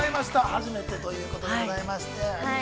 初めてということでございまして。